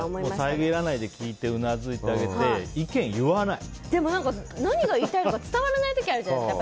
さえぎらないで聞いてうなずいてあげてでも、何が言いたのか伝わらない時があるじゃないですか。